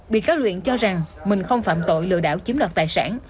bị cáo luyện cho rằng mình không phạm tội lừa đảo chiếm đoạt tài sản